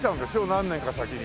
何年か先に。